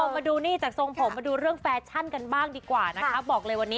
มาดูเรื่องแฟชั่นกันบ้างดีกว่านะคะ